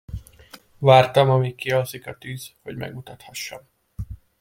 Vártam amíg kialszik a tűz, hogy megmutathassam.